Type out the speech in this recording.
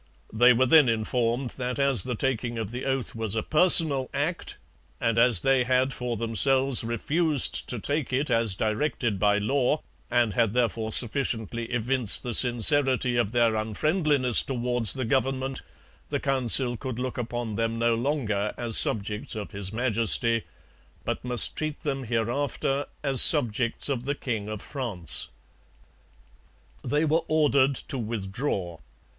They were then informed that as the taking of the oath was a personal act and as they had for themselves refused to take it as directed by law, and had therefore sufficiently evinced the sincerity of their unfriendliness towards the government, the Council could look upon them no longer as subjects of His Majesty, but must treat them hereafter as subjects of the king of France. They were ordered to withdraw.